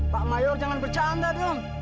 pak mayor jangan bercanda dong